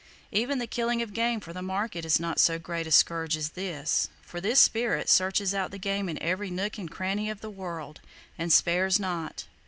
Even the killing of game for the market is not so great a scourge as this; for this spirit searches out the game in every nook and cranny of the world, and spares not.